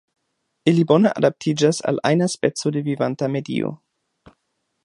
Ili bone adaptiĝas al ajna speco de vivanta medio.